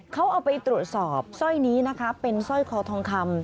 เขาเอาไปตรวจสอบสร้อยนี้นะคะเป็นสร้อยคอทองคำ